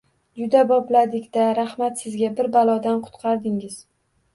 Juda bopladik-da, rahmat sizga, bir balodan qutqardingiz